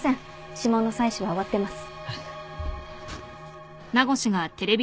指紋の採取は終わってます。